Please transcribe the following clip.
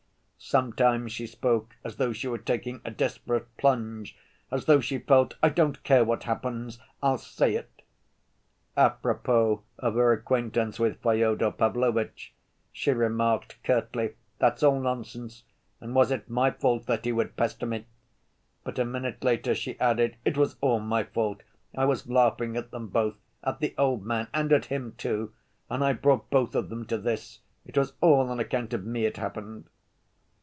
Sometimes she spoke as though she were taking a desperate plunge; as though she felt, "I don't care what happens, I'll say it...." Apropos of her acquaintance with Fyodor Pavlovitch, she remarked curtly, "That's all nonsense, and was it my fault that he would pester me?" But a minute later she added, "It was all my fault. I was laughing at them both—at the old man and at him, too—and I brought both of them to this. It was all on account of me it happened."